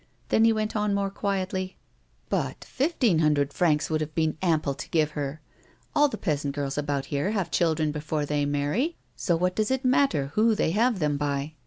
Then he went on more quietly : "But fifteen hundred francs would have been ample to give her. All the peasant girls about here have children before they marry, so what does it matter who they have them by